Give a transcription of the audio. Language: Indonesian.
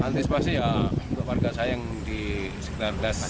antisipasi ya untuk warga saya yang di sekedar dasar